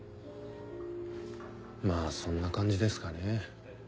まぁそんな感じですかね。